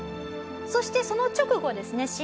そしてその直後ですね